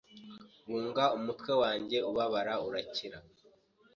Bunga umutwe wanjye ubabara urakira